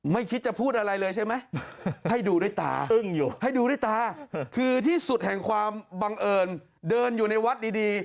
คิดจะพูดอะไรเลยใช่ไหมให้ดูด้วยตาให้ดูด้วยตาคือที่สุดแห่งความบังเอิญเดินอยู่ในวัดดี